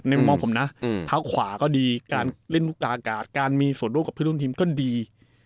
ในมองผมนะเท้าขวาก็ดีการเล่นอากาศการมีส่วนร่วมกับผู้ร่วมทีมก็ดี